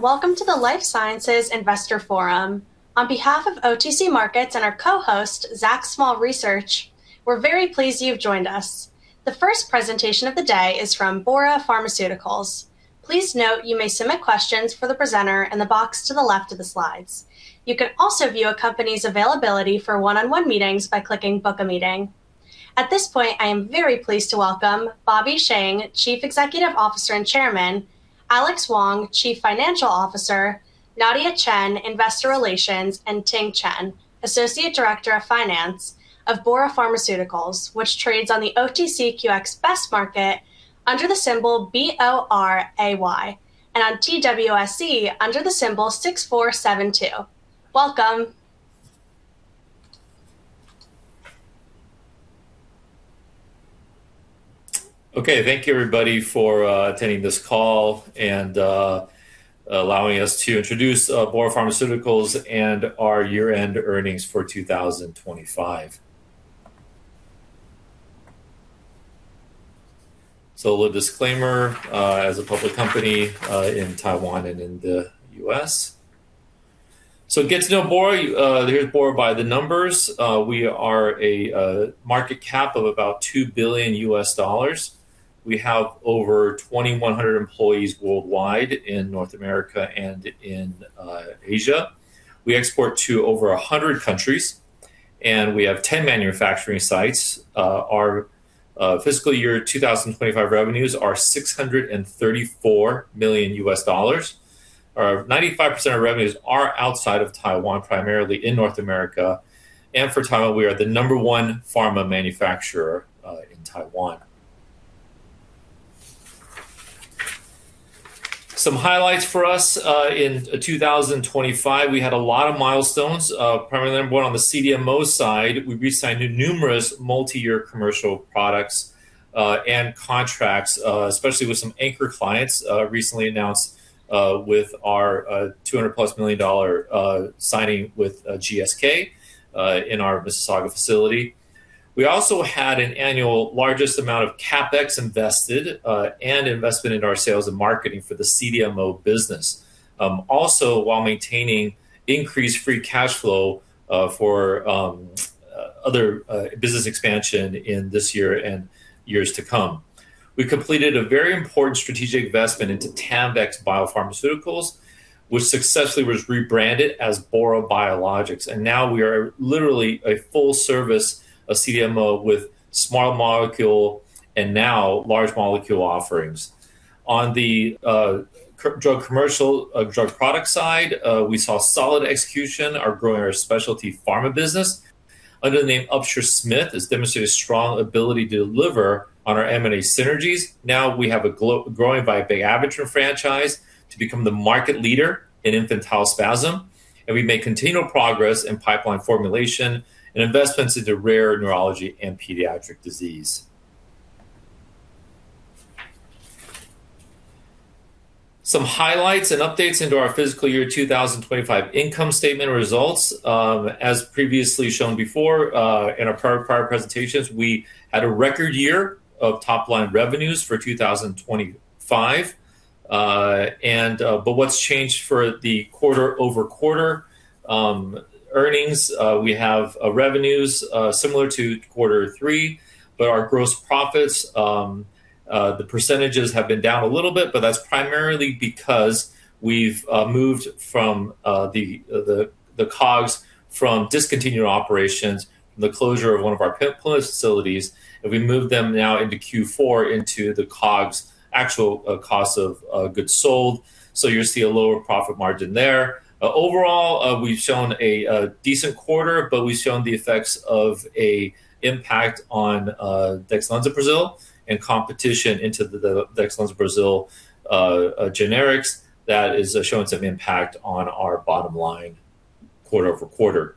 Welcome to the Life Sciences Investor Forum. On behalf of OTC Markets and our co-host, Zacks Small-Cap Research, we're very pleased you've joined us. The first presentation of the day is from Bora Pharmaceuticals. Please note you may submit questions for the presenter in the box to the left of the slides. You can also view a company's availability for one-on-one meetings by clicking Book a Meeting. At this point, I am very pleased to welcome Bobby Sheng, Chief Executive Officer and Chairman, Alice Wang, Chief Financial Officer, Nadiya Chen, Investor Relations, and Ting Chen, Associate Director of Finance of Bora Pharmaceuticals, which trades on the OTCQX Best Market under the symbol BORAY, and on TWSE under the symbol 6472. Welcome. Okay. Thank you, everybody, for attending this call and allowing us to introduce Bora Pharmaceuticals and our year-end earnings for 2025. A little disclaimer, as a public company, in Taiwan and in the U.S. To get to know Bora, here's Bora by the numbers. We are a market cap of about $2 billion. We have over 2,100 employees worldwide in North America and in Asia. We export to over 100 countries, and we have 10 manufacturing sites. Our fiscal year 2025 revenues are $634 million. 95% of revenues are outside of Taiwan, primarily in North America. For Taiwan, we are the number one pharma manufacturer in Taiwan. Some highlights for us in 2025, we had a lot of milestones. Primarily number one, on the CDMO side, we re-signed numerous multi-year commercial products and contracts, especially with some anchor clients, recently announced with our $200+ million signing with GSK in our Mississauga facility. We also had the largest annual amount of CapEx invested and investment in our sales and marketing for the CDMO business, also while maintaining increased free cash flow for other business expansion in this year and years to come. We completed a very important strategic investment into Tanvex BioPharma, which successfully was rebranded as Bora Biologics, and now we are literally a full-service CDMO with small molecule and now large molecule offerings. On the commercial drug product side, we saw solid execution, are growing our specialty pharma business. Under the name Upsher-Smith, has demonstrated a strong ability to deliver on our M&A synergies. Now we have a growing Vigabatrin franchise to become the market leader in infantile spasm, and we make continual progress in pipeline formulation and investments into rare neurology and pediatric disease. Some highlights and updates into our fiscal year 2025 income statement results. As previously shown before in our prior presentations, we had a record year of top-line revenues for 2025. What's changed for the quarter-over-quarter earnings. We have revenues similar to quarter three, but our gross profits, the percentages have been down a little bit, but that's primarily because we've moved from the COGS from discontinued operations, the closure of one of our P4 facilities, and we moved them now into Q4 into the COGS, actual cost of goods sold. So you see a lower profit margin there. Overall, we've shown a decent quarter, but we've shown the effects of an impact on Venlafaxine Brazil and competition into the Venlafaxine Brazil generics that is showing some impact on our bottom line quarter-over-quarter.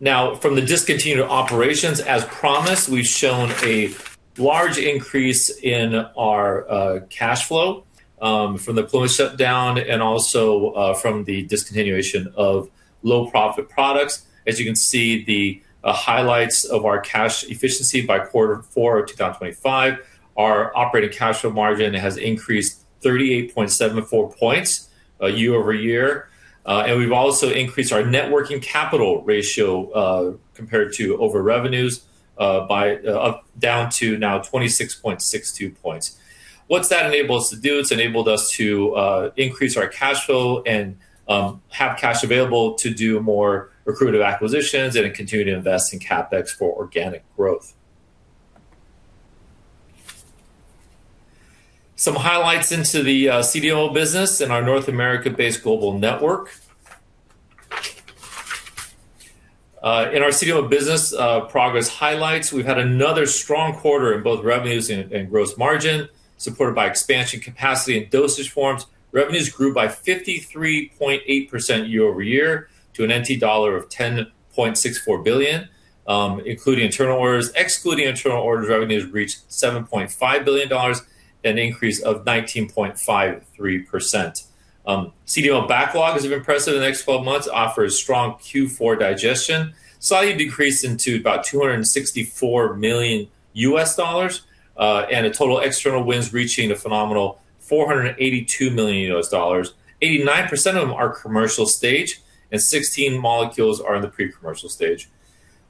Now from the discontinued operations, as promised, we've shown a large increase in our cash flow from the closure shutdown and also from the discontinuation of low profit products. As you can see, the highlights of our cash efficiency by quarter four of 2025, our operating cash flow margin has increased 38.74 points year-over-year. And we've also increased our net working capital ratio compared to our revenues to now 26.62 points. What does that enable us to do? It's enabled us to increase our cash flow and have cash available to do more accretive acquisitions and continue to invest in CapEx for organic growth. Some highlights into the CDMO business and our North America-based global network. In our CDMO business, progress highlights, we've had another strong quarter in both revenues and gross margin, supported by expansion capacity and dosage forms. Revenues grew by 53.8% year-over-year to 10.64 billion NT dollar, including internal orders. Excluding internal orders, revenues reached $7.5 billion and an increase of 19.53%. CDMO backlog is impressive in the next 12 months, offers strong Q4 digestion. Slightly decreased into about $264 million, and a total external wins reaching a phenomenal $482 million. 89% of them are commercial stage, and 16 molecules are in the pre-commercial stage.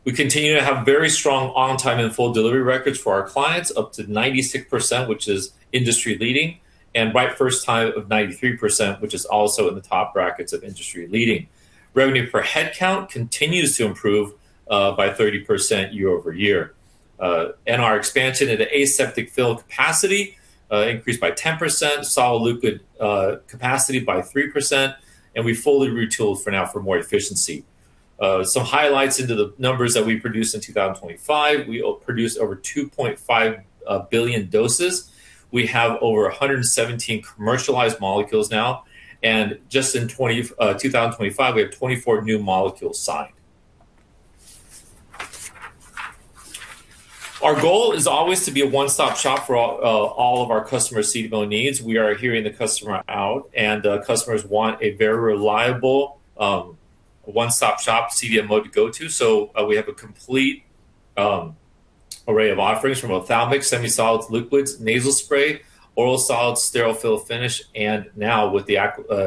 We continue to have very strong on-time and full delivery records for our clients, up to 96%, which is industry-leading, and right first time of 93%, which is also in the top brackets of industry-leading. Revenue per headcount continues to improve by 30% year-over-year. Our expansion into aseptic fill capacity increased by 10%, solid liquid capacity by 3%, and we fully retooled for now for more efficiency. Some highlights into the numbers that we produced in 2025. We produced over 2.5 billion doses. We have over 117 commercialized molecules now. Just in 2025, we have 24 new molecules signed. Our goal is always to be a one-stop shop for all of our customers' CDMO needs. We are hearing the customer out, and, customers want a very reliable, one-stop shop CDMO to go to. We have a complete array of offerings from ophthalmic, semisolid, liquids, nasal spray, oral solids, sterile fill finish, and now with the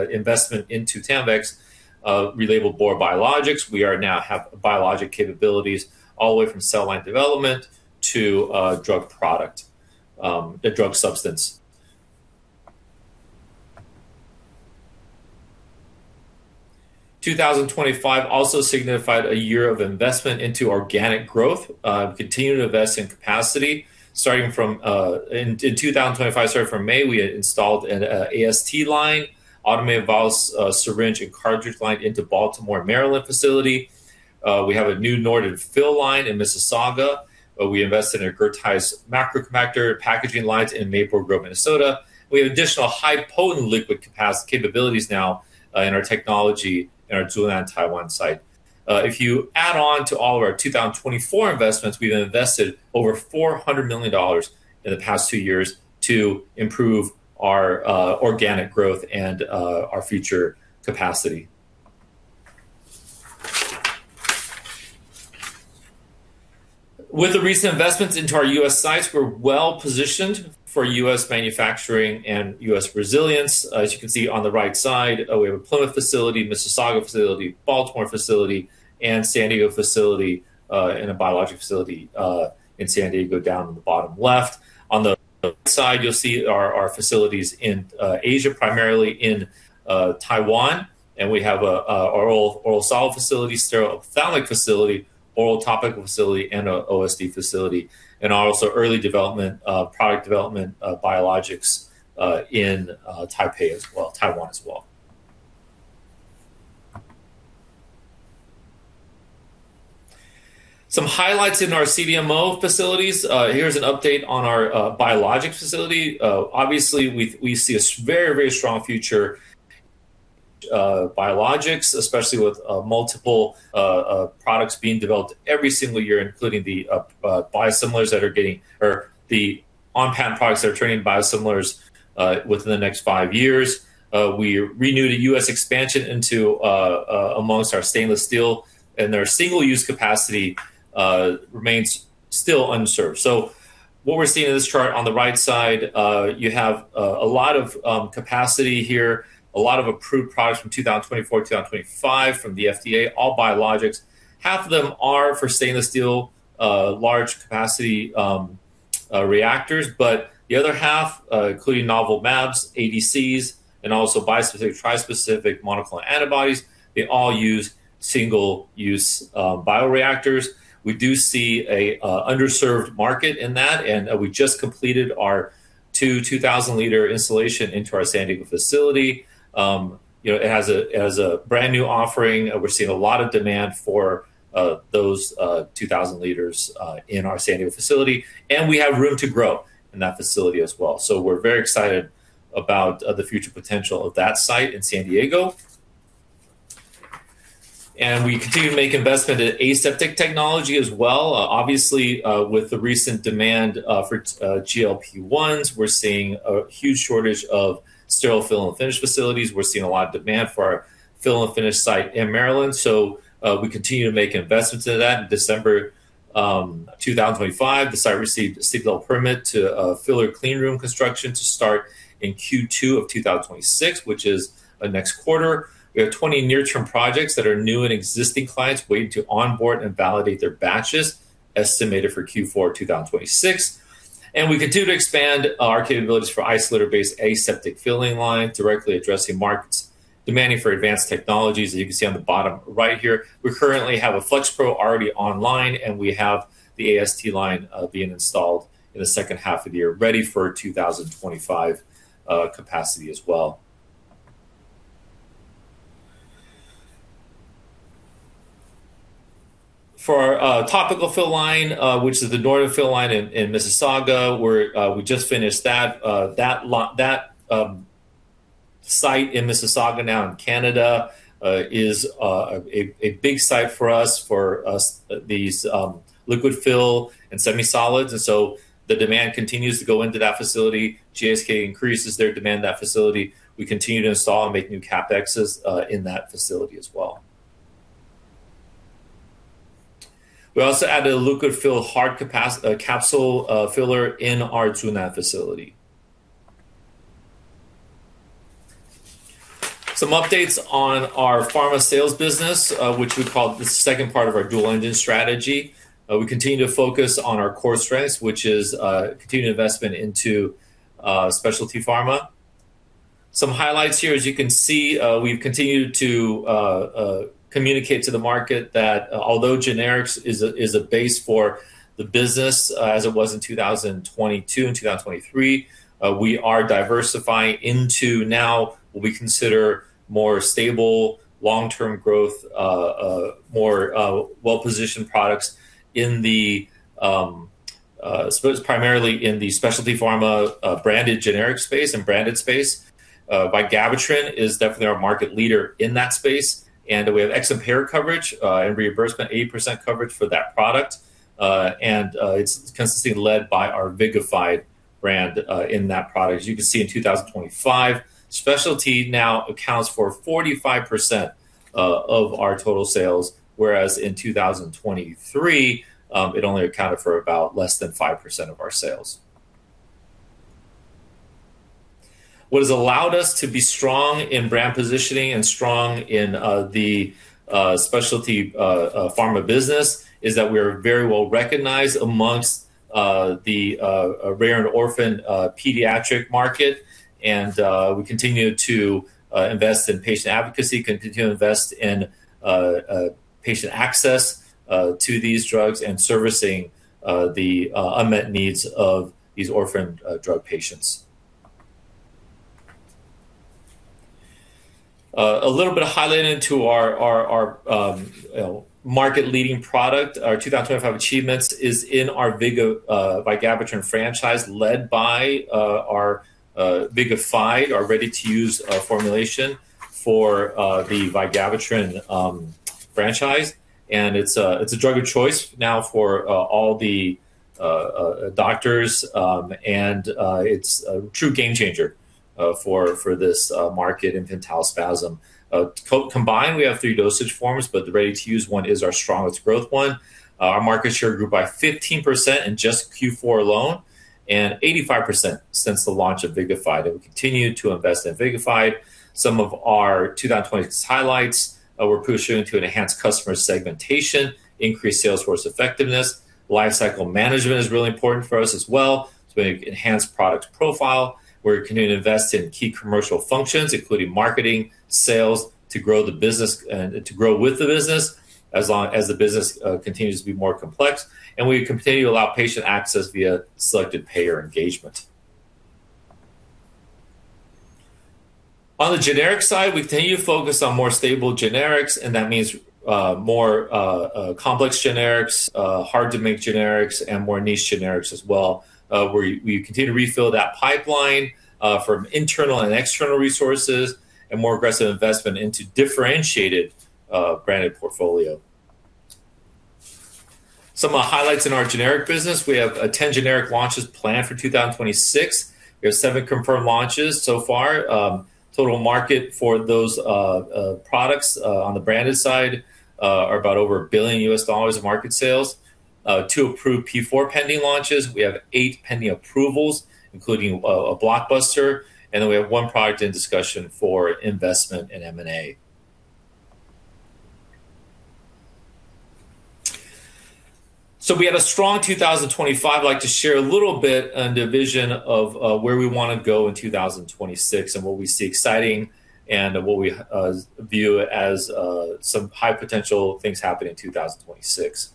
investment into Tanvex, relabeled Bora Biologics, we now have biologic capabilities all the way from cell line development to drug product, the drug substance. 2025 also signified a year of investment into organic growth, continuing to invest in capacity. In 2025, starting from May, we had installed an AST line, automated vial, syringe, and cartridge line into Baltimore, Maryland facility. We have a new Norden fill line in Mississauga. We invested in a Gerteis Macro-Pactor packaging lines in Maple Grove, Minnesota. We have additional high-potency liquid capabilities now in our technology in our Zhunan, Taiwan site. If you add on to all of our 2024 investments, we've invested over $400 million in the past two years to improve our organic growth and our future capacity. With the recent investments into our U.S. sites, we're well-positioned for U.S. manufacturing and U.S. resilience. As you can see on the right side, we have a Plymouth facility, Mississauga facility, Baltimore facility, and San Diego facility, and a biologic facility in San Diego down in the bottom left. On the left side, you'll see our facilities in Asia, primarily in Taiwan. We have an oral solid facility, sterile ophthalmic facility, oral topical facility, and an OSD facility, and also early development, product development, biologics, in Taipei as well, Taiwan as well. Some highlights in our CDMO facilities. Here's an update on our biologics facility. Obviously, we see a very strong future, biologics, especially with multiple products being developed every single year, including the biosimilars that are getting or the on-patent products that are turning biosimilars, within the next five years. We renewed a U.S. expansion into, amongst our stainless steel, and their single-use capacity remains still unserved. What we're seeing in this chart on the right side, you have a lot of capacity here, a lot of approved products from 2024, 2025 from the FDA, all biologics. Half of them are for stainless steel large capacity reactors, but the other half, including novel mAbs, ADCs, and also bispecific, tri-specific monoclonal antibodies, they all use single-use bioreactors. We do see a underserved market in that, and we just completed our 2,000-liter installation into our San Diego facility. You know, it has a brand-new offering. We're seeing a lot of demand for those 2,000 liters in our San Diego facility, and we have room to grow in that facility as well. We're very excited about the future potential of that site in San Diego. We continue to make investment in aseptic technology as well. Obviously, with the recent demand for GLP-1s, we're seeing a huge shortage of sterile fill and finish facilities. We're seeing a lot of demand for our fill and finish site in Maryland, so we continue to make investments into that. In December 2025, the site received a CDL permit to fill their clean room construction to start in Q2 of 2026, which is next quarter. We have 20 near-term projects that are new and existing clients waiting to onboard and validate their batches, estimated for Q4 2026. We continue to expand our capabilities for isolator-based aseptic filling line, directly addressing markets demanding for advanced technologies. As you can see on the bottom right here, we currently have a FlexPro already online, and we have the AST line being installed in the second half of the year, ready for 2025 capacity as well. For our topical fill line, which is the Norden fill line in Mississauga, we just finished that. That site in Mississauga now in Canada is a big site for us, these liquid fill and semi-solids. The demand continues to go into that facility. GSK increases their demand in that facility. We continue to install and make new CapExes in that facility as well. We also added a liquid fill hard capsule filler in our Zhunan facility. Some updates on our pharma sales business, which we call the second part of our dual engine strategy. We continue to focus on our core strengths, which is continued investment into specialty pharma. Some highlights here, as you can see, we've continued to communicate to the market that although generics is a base for the business, as it was in 2022 and 2023, we are diversifying into now what we consider more stable long-term growth, more well-positioned products in the, I suppose primarily in the specialty pharma, branded generic space and branded space. Vigabatrin is definitely our market leader in that space, and we have excellent payer coverage and reimbursement, 80% coverage for that product. It's consistently led by our Vigabatrin brand in that product. As you can see, in 2025, specialty now accounts for 45% of our total sales, whereas in 2023, it only accounted for about less than 5% of our sales. What has allowed us to be strong in brand positioning and strong in the specialty pharma business is that we're very well recognized among the rare and orphan pediatric market. We continue to invest in patient advocacy, continue to invest in patient access to these drugs and servicing the unmet needs of these orphan drug patients. A little bit of highlight into our market-leading product. Our 2025 achievements is in our Vigabatrin franchise led by our VIGAFYDE, our ready-to-use formulation for the Vigabatrin franchise. It's a drug of choice now for all the doctors, and it's a true game changer for this market in infantile spasm. Combined, we have three dosage forms, but the ready-to-use one is our strongest growth one. Our market share grew by 15% in just Q4 alone, and 85% since the launch of VIGAFYDE, and we continue to invest in VIGAFYDE. Some of our 2026 highlights, we're pushing into enhanced customer segmentation, increased sales force effectiveness. Lifecycle management is really important for us as well, so we have enhanced product profile. We're continuing to invest in key commercial functions, including marketing, sales, to grow the business and to grow with the business as long as the business continues to be more complex. We continue to allow patient access via selected payer engagement. On the generic side, we continue to focus on more stable generics, and that means more complex generics, hard-to-make generics, and more niche generics as well. We continue to refill that pipeline from internal and external resources and more aggressive investment into differentiated branded portfolio. Some highlights in our generic business. We have 10 generic launches planned for 2026. We have seven confirmed launches so far. Total market for those products on the branded side are about over $1 billion of market sales. Two approved P4 pending launches. We have eight pending approvals, including a blockbuster. Then we have one product in discussion for investment in M&A. We had a strong 2025. I'd like to share a little bit on the vision of where we wanna go in 2026 and what we see exciting and what we view as some high-potential things happening in 2026.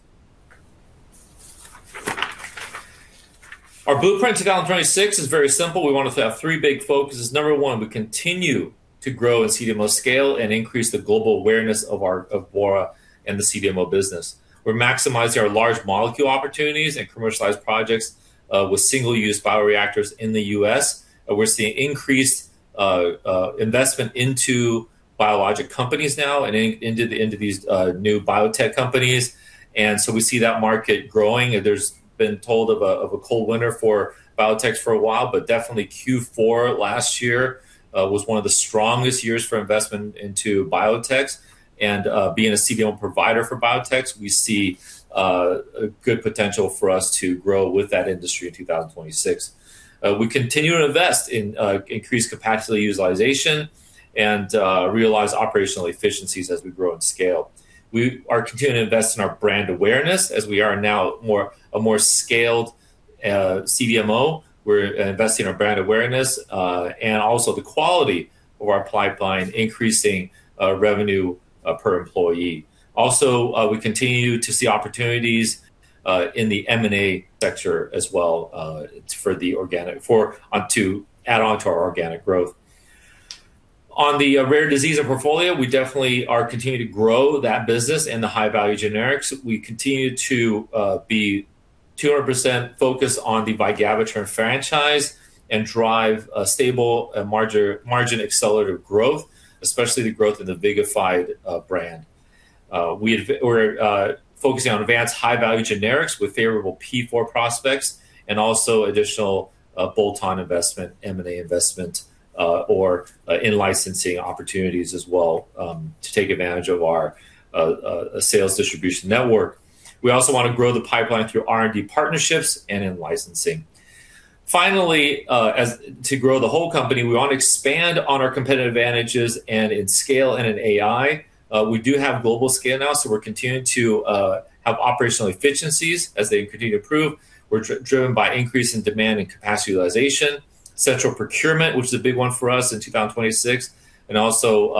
Our blueprint in 2026 is very simple. We want to have three big focuses. Number one, we continue to grow and CDMO scale and increase the global awareness of our Bora and the CDMO business. We're maximizing our large molecule opportunities and commercialized projects with single-use bioreactors in the US. We're seeing increased investment into biologic companies now and into these new biotech companies. We see that market growing, and there's been talk of a cold winter for biotechs for a while. Definitely Q4 last year was one of the strongest years for investment into biotechs. Being a CDMO provider for biotechs, we see a good potential for us to grow with that industry in 2026. We continue to invest in increased capacity utilization and realize operational efficiencies as we grow and scale. We are continuing to invest in our brand awareness as we are now a more scaled CDMO. We're investing in our brand awareness and also the quality of our pipeline, increasing revenue per employee. We continue to see opportunities in the M&A sector as well for to add on to our organic growth. On the rare disease portfolio, we definitely are continuing to grow that business and the high-value generics. We continue to be 200% focused on the Vigabatrin franchise and drive a stable and margin accelerative growth, especially the growth in the VIGAFYDE brand. We're focusing on advanced high-value generics with favorable P4 prospects and also additional bolt-on investment, M&A investment, or in-licensing opportunities as well to take advantage of our sales distribution network. We also want to grow the pipeline through R&D partnerships and in licensing. To grow the whole company, we want to expand on our competitive advantages and in scale and in AI. We do have global scale now, so we're continuing to have operational efficiencies as they continue to improve. We're driven by increase in demand and capacity utilization. Central procurement, which is a big one for us in 2026, and also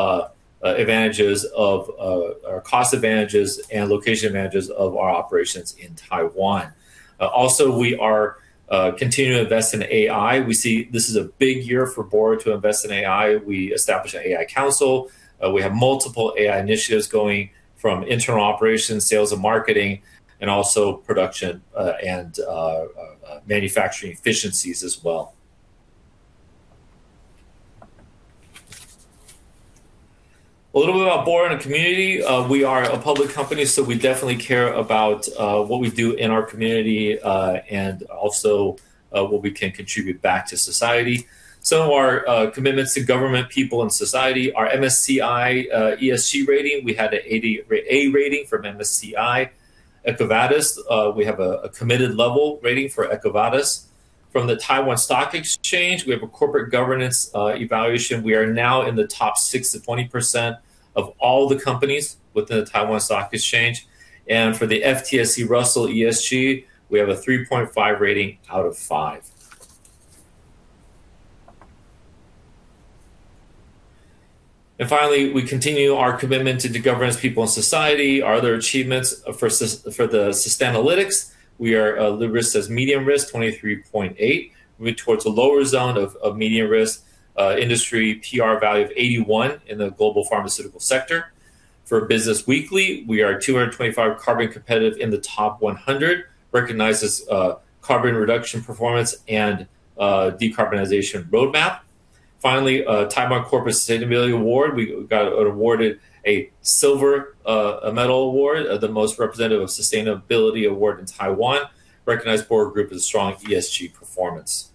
cost advantages and location advantages of our operations in Taiwan. Also we are continuing to invest in AI. We see this is a big year for Bora to invest in AI. We established an AI council. We have multiple AI initiatives going from internal operations, sales, and marketing, and also production and manufacturing efficiencies as well. A little bit about Bora in the community. We are a public company, so we definitely care about what we do in our community and also what we can contribute back to society. Some of our commitments to government, people, and society, our MSCI ESG rating, we had an A rating from MSCI. EcoVadis, we have a committed level rating for EcoVadis. From the Taiwan Stock Exchange, we have a corporate governance evaluation. We are now in the top 6%-20% of all the companies within the Taiwan Stock Exchange. For the FTSE Russell ESG, we have a 3.5 rating out of five. Finally, we continue our commitment to the governance, people, and society. Our other achievements for the Sustainalytics, we are the risk as medium risk, 23.8. Moving towards the lower zone of medium risk, industry PR value of 81 in the global pharmaceutical sector. For Business Weekly, we are 225 carbon competitive in the top 100, recognized as carbon reduction performance and decarbonization roadmap. Finally, Taiwan Corporate Sustainability Award, we got awarded a silver medal award, the most representative of sustainability award in Taiwan, recognized Bora Group as a strong ESG performance.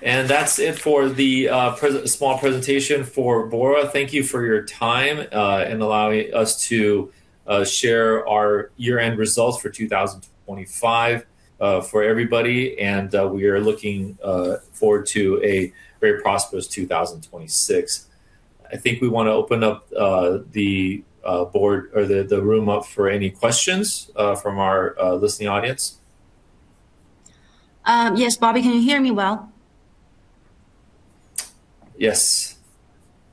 That's it for the presentation for Bora. Thank you for your time and allowing us to share our year-end results for 2025 for everybody, and we are looking forward to a very prosperous 2026. I think we want to open up the floor or the room up for any questions from our listening audience. Yes, Bobby, can you hear me well? Yes.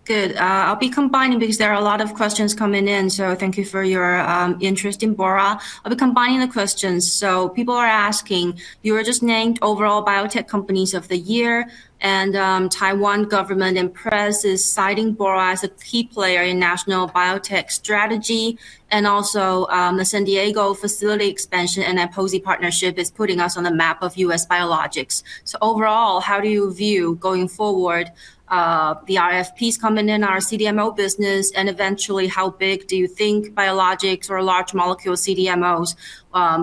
Good. I'll be combining because there are a lot of questions coming in, so thank you for your interest in Bora. I'll be combining the questions. People are asking, you were just named overall biotech companies of the year, and Taiwan government and press is citing Bora as a key player in national biotech strategy. Also, the San Diego facility expansion and IPOSI partnership is putting us on the map of U.S. biologics. Overall, how do you view going forward the RFPs coming in our CDMO business? And eventually, how big do you think biologics or large molecule CDMOs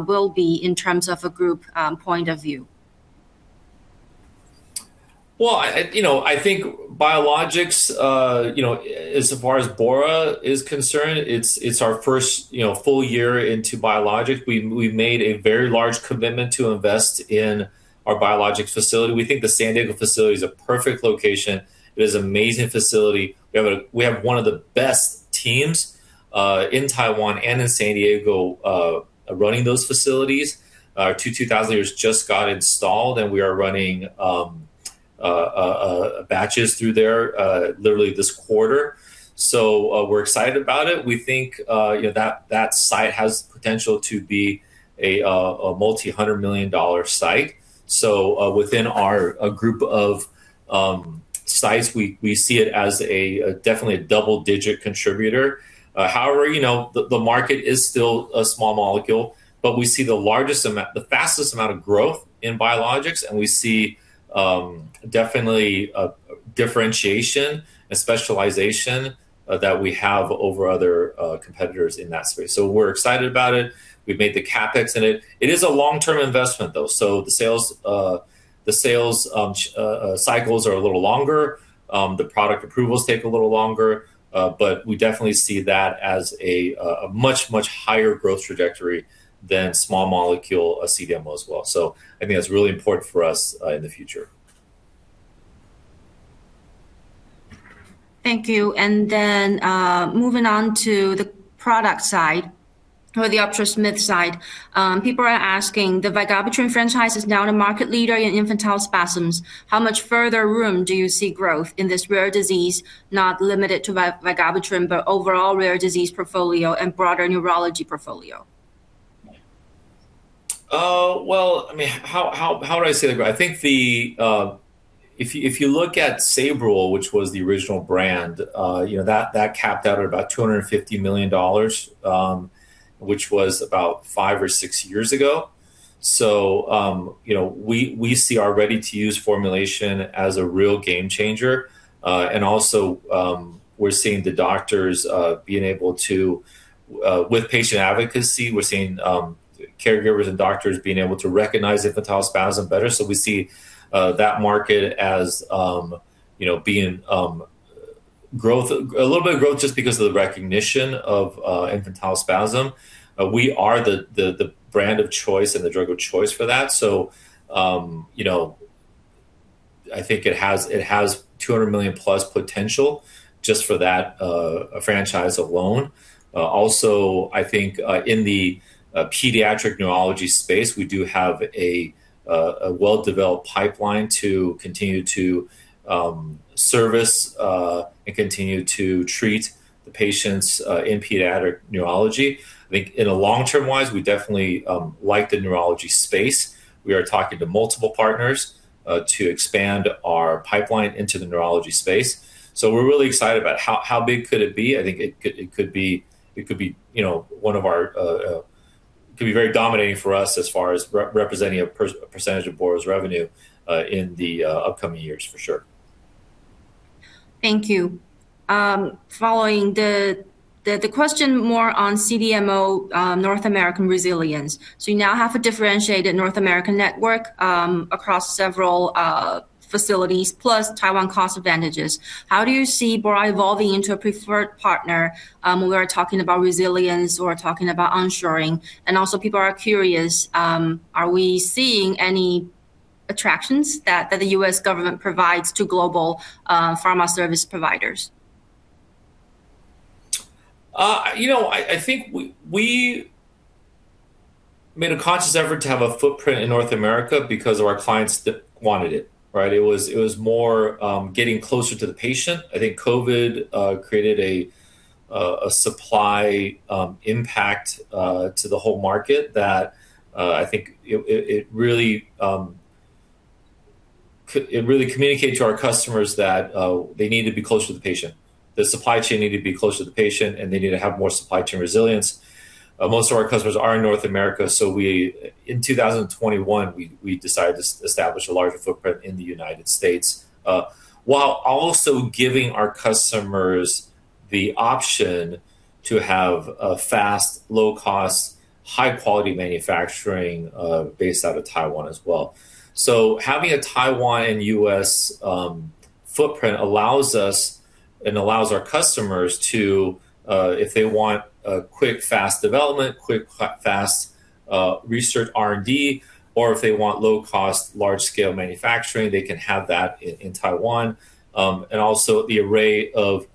will be in terms of a group point of view? Well, you know, I think biologics, you know, as far as Bora is concerned, it's our first, you know, full year into biologics. We've made a very large commitment to invest in our biologics facility. We think the San Diego facility is a perfect location. It is an amazing facility. We have one of the best teams in Taiwan and in San Diego running those facilities. Our two two-thousanders just got installed, and we are running batches through there literally this quarter. We're excited about it. We think, you know, that site has potential to be a multi-hundred million dollar site. Within our group of sites, we see it as definitely a double-digit contributor. However, you know, the market is still a small molecule, but we see the fastest amount of growth in biologics, and we see definitely a differentiation, a specialization that we have over other competitors in that space. We're excited about it. We've made the CapEx in it. It is a long-term investment, though. The sales cycles are a little longer. The product approvals take a little longer, but we definitely see that as a much, much higher growth trajectory than small molecule CDMO as well. I think that's really important for us in the future. Thank you. Then, moving on to the product side or the Upsher-Smith side, people are asking, the Vigabatrin franchise is now the market leader in infantile spasms. How much further room do you see growth in this rare disease, not limited to Vigabatrin, but overall rare disease portfolio and broader neurology portfolio? Well, I mean, how do I say that? I think if you look at Sabril, which was the original brand, you know, that capped out at about $250 million, which was about five or six years ago. You know, we see our ready-to-use formulation as a real game changer. Also, with patient advocacy, we're seeing caregivers and doctors being able to recognize infantile spasm better. We see that market as, you know, being a little bit of growth just because of the recognition of infantile spasm. We are the brand of choice and the drug of choice for that. You know, I think it has $200 million plus potential just for that franchise alone. Also, I think in the pediatric neurology space, we do have a well-developed pipeline to continue to service and continue to treat the patients in pediatric neurology. I think in a long-term wise, we definitely like the neurology space. We are talking to multiple partners to expand our pipeline into the neurology space. We're really excited about how big could it be? I think it could be, you know, one of our. It could be very dominating for us as far as representing a percentage of Bora's revenue in the upcoming years for sure. Thank you. Following the question more on CDMO, North American resilience. You now have a differentiated North American network across several facilities, plus Taiwan cost advantages. How do you see Bora evolving into a preferred partner when we are talking about resilience, we're talking about onshoring? Also people are curious, are we seeing any attractions that the U.S. government provides to global pharma service providers? You know, I think we made a conscious effort to have a footprint in North America because our clients wanted it, right? It was more getting closer to the patient. I think COVID created a supply impact to the whole market that I think it really communicated to our customers that they need to be closer to the patient. The supply chain need to be closer to the patient, and they need to have more supply chain resilience. Most of our customers are in North America, so in 2021, we decided to establish a larger footprint in the United States. While also giving our customers the option to have a fast, low cost, high quality manufacturing, based out of Taiwan as well. Having a Taiwan-U.S. footprint allows us and allows our customers to, if they want a quick, fast development, quick, fast research R&D, or if they want low cost, large scale manufacturing, they can have that in Taiwan. Also the array of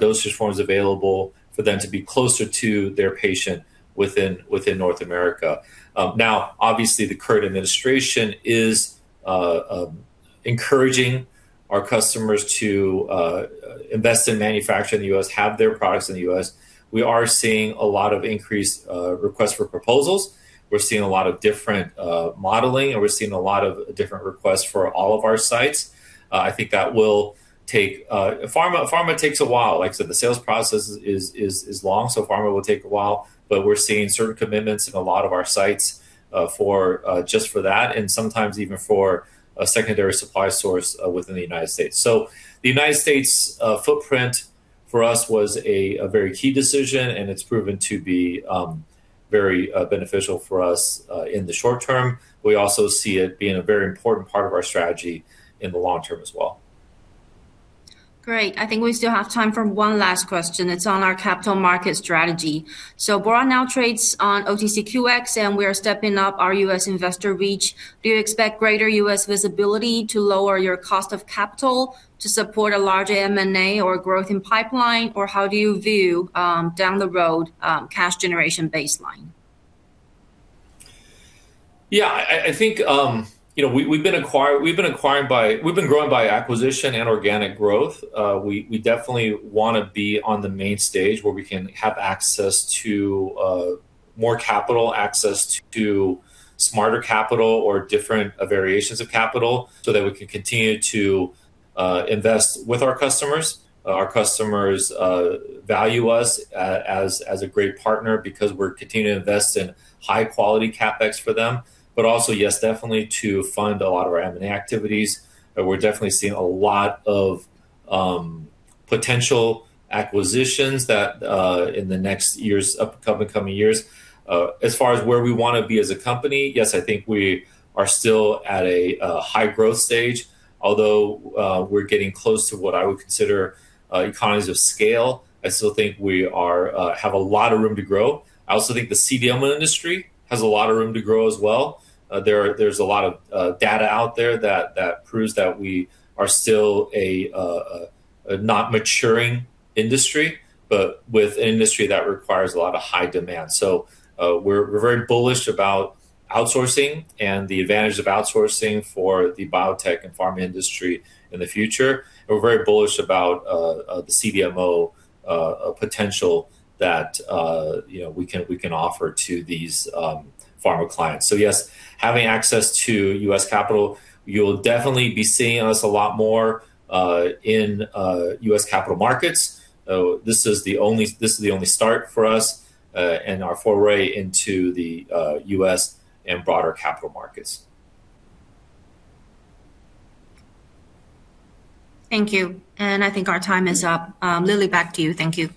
dosage forms available for them to be closer to their patient within North America. Now, obviously, the current administration is encouraging our customers to invest and manufacture in the U.S., have their products in the U.S. We are seeing a lot of increased request for proposals. We're seeing a lot of different modeling, and we're seeing a lot of different requests for all of our sites. I think that will take pharma takes a while. Like I said, the sales process is long, so pharma will take a while. We're seeing certain commitments in a lot of our sites just for that, and sometimes even for a secondary supply source within the United States. The United States footprint for us was a very key decision, and it's proven to be very beneficial for us in the short term. We also see it being a very important part of our strategy in the long term as well. Great. I think we still have time for one last question. It's on our capital market strategy. Bora now trades on OTCQX, and we are stepping up our U.S. investor reach. Do you expect greater U.S. visibility to lower your cost of capital to support a larger M&A or growth in pipeline? How do you view down the road cash generation baseline? I think, you know, we've been growing by acquisition and organic growth. We definitely wanna be on the main stage where we can have access to more capital, access to smarter capital or different variations of capital so that we can continue to invest with our customers. Our customers value us as a great partner because we're continuing to invest in high quality CapEx for them. Also, yes, definitely to fund a lot of our M&A activities. We're definitely seeing a lot of potential acquisitions in the upcoming years. As far as where we wanna be as a company, yes, I think we are still at a high growth stage. Although we're getting close to what I would consider economies of scale, I still think we are have a lot of room to grow. I also think the CDMO industry has a lot of room to grow as well. There's a lot of data out there that proves that we are still a not maturing industry, but with an industry that requires a lot of high demand. We're very bullish about outsourcing and the advantage of outsourcing for the biotech and pharma industry in the future. We're very bullish about the CDMO potential that you know we can offer to these pharma clients. Yes, having access to U.S. capital, you'll definitely be seeing us a lot more in U.S. capital markets. This is the only start for us and our foray into the U.S. and broader capital markets. Thank you. I think our time is up. Lily, back to you. Thank you.